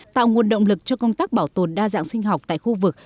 tạo nguồn động lực cho công tác bảo tồn đa dạng sinh học tại khu vực